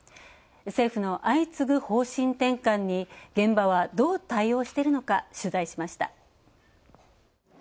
政府の相次ぐ方針転換に現場はどう対応しているのか取材しました。